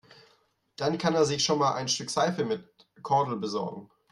Dann kann er sich schon einmal ein Stück Seife mit Kordel besorgen.